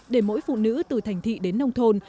để mỗi phụ nữ từ thành thị đến nông thôn